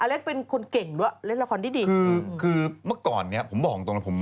อเล็กเป็นคนเก่งด้วยเล่นละครดีคือเมื่อก่อนเนี่ยผมบอกจริง